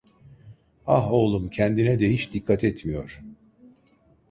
Ah oğlum, kendine de hiç dikkat etmiyor…